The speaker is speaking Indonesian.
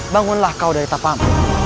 bangunlah kau dari tapam